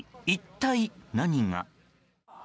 一体、何が。